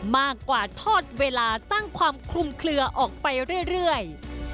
มากกว่าทอดเวลาสร้างความคลุมเคลือออกไปเรื่อย